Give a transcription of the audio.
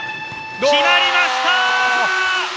決まりました！